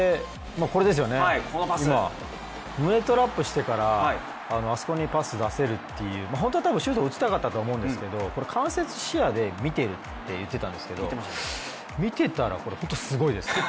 胸トラップしてからあそこにパス出せるって、本当は多分シュートを打ちたかったとは思うんですけど、これ、間接視野で見てるって言ってたんですけど見てたらこれ、ほんとにすごいですよ。